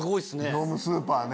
業務スーパーね。